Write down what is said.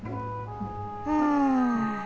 うん。